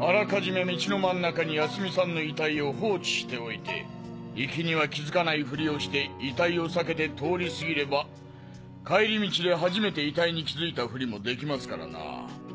あらかじめ道の真ん中に泰美さんの遺体を放置しておいて行きには気づかないフリをして遺体を避けて通り過ぎれば帰り道で初めて遺体に気づいたフリもできますからなぁ。